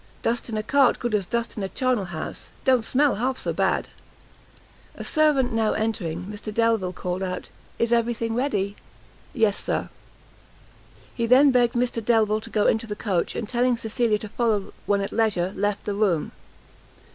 Dust in a cart good as dust of a charnel house; don't smell half so bad." A servant now entering, Mr Delvile called out "Is everything ready?" "Yes, Sir." He then begged Mrs Delvile to go into the coach, and telling Cecilia to follow when at leisure, left the room.